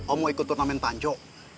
om mau ikut turnamen tanco